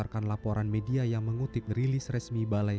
kabupaten tetangga pasaman barat